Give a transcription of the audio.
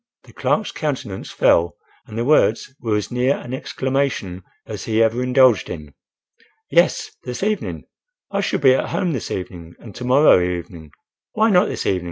The clerk's countenance fell and the words were as near an exclamation as he ever indulged in. "Yes—, this evening. I shall be at home this evening and to morrow evening—Why not this evening?"